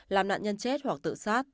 làm nạn nhân chết hoặc tự sát